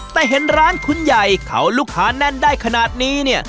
แต่เห็นร้านคุณใหญ่เขาลูกค้าแน่นได้ขนาดนี้เนี่ย